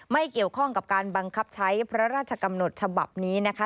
ไม่เกี่ยวข้องกับการบังคับใช้พระราชกำหนดฉบับนี้นะคะ